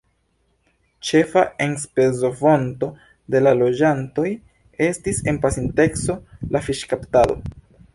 Ĉefa enspezofonto de la loĝantoj estis en pasinteco la fiŝkaptado.